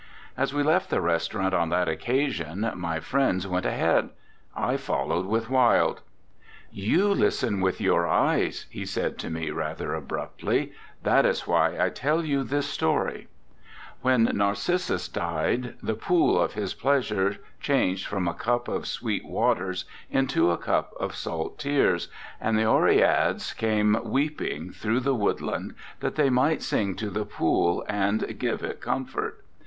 As we left the restaurant on that occa sion my friends went ahead, I followed with Wilde. "You listen with your eyes," he said to me rather abruptly, "that is why I tell you this story: "When Narcissus died the pool of his pleasure changed from a cup of sweet waters into a cup of salt tears, and the Oreads came weeping through the wood land that they might sing to the pool and give it comfort.